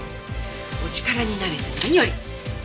お力になれて何より。